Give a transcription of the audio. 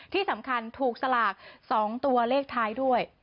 ที่สำคัญถูกสลาก๒ตัวเลขท้ายด้วย